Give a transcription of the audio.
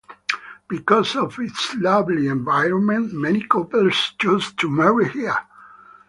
Because of its lovely environment many couples choose to marry here.